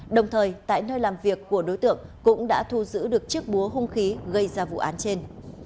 đồng thời tại nơi làm việc của đối tượng cũng đã thu giữ được chiếc búa hung khí gây ra vụ án trên